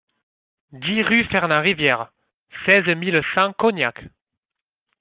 dix rue Fernand Rivière, seize mille cent Cognac